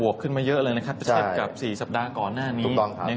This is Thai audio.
ขึ้นมาเยอะเลยนะครับถ้าเทียบกับ๔สัปดาห์ก่อนหน้านี้